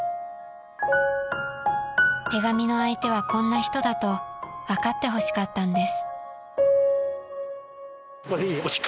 ［手紙の相手はこんな人だと分かってほしかったんです］